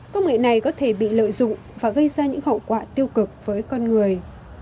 công nghệ này có thể bị lợi dụng và gây ra những hậu quả tiêu cực với con người